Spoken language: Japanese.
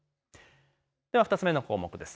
では２つ目の項目です。